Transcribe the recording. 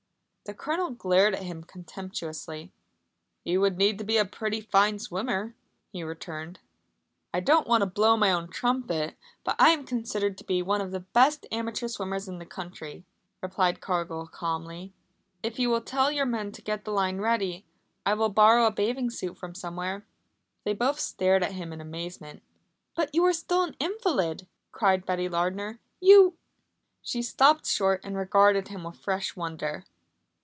The Colonel glared at him contemptuously. "He would need to be a pretty fine swimmer," he returned. "I don't want to blow my own trumpet, but I am considered to be one of the best amateur swimmers in the country," replied Cargill calmly. "If you will tell your men to get the line ready, I will borrow a bathing suit from somewhere." They both stared at him in amazement. "But you are still an invalid," cried Betty Lardner. "You " She stopped short and regarded him with fresh wonder.